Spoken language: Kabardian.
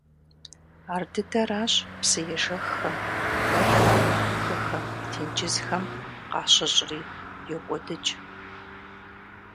Ар дыдэращ псы ежэххэм, гуэлхэм, хыхэм, тенджызхэм къащыщӀри – йокӀуэдыкӀ.